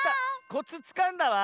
コツつかんだわ。